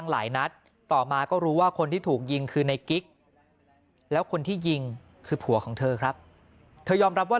และมีบ้านติดกันกับเธอด้วย